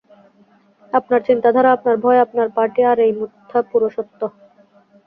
আপনার চিন্তাধারা, আপনার ভয় আপনার পার্টি, আর এই মিথ্যা পুরুষত্ব।